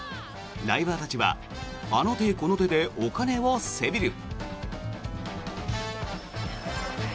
ライバーたちはあの手この手でお金をせびる。